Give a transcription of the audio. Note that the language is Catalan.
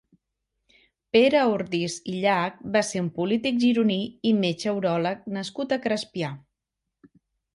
Pere Ordis i Llach va ser un polític gironí i metge uròleg nascut a Crespià.